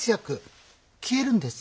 消えるんです。